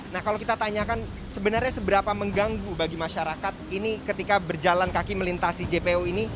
nah kalau kita tanyakan sebenarnya seberapa mengganggu bagi masyarakat ini ketika berjalan kaki melintasi jpo ini